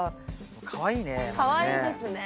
かわいいね。